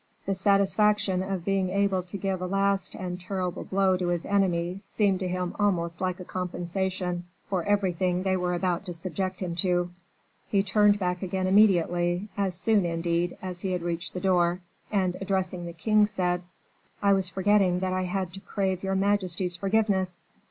The satisfaction of being able to give a last and terrible blow to his enemy seemed to him almost like a compensation for everything they were about to subject him to. He turned back again immediately, as soon, indeed, as he had reached the door, and addressing the king, said, "I was forgetting that I had to crave your majesty's forgiveness."